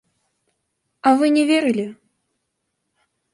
А вы не верылі?